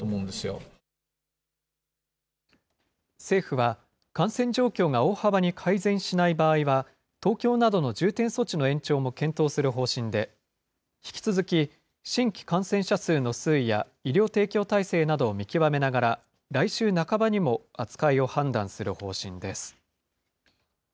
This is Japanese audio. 政府は、感染状況が大幅に改善しない場合は、東京などの重点措置の延長も検討する方針で、引き続き新規感染者数の推移や医療提供体制などを見極めながら、来週半ばにも扱いを判断する方針です。